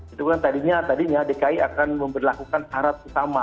itu kan tadinya dki akan memperlakukan harap utama